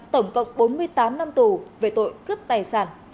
tổng cộng bốn mươi tám năm tù về tội cướp tài sản